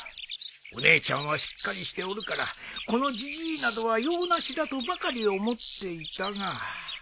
お姉ちゃんはしっかりしておるからこのじじいなどは用なしだとばかり思っていたが